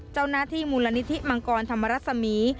เจ้าหน้าที่มูลนิธิมังกรธรรมรสมี